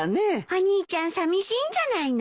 お兄ちゃんさみしいんじゃないの？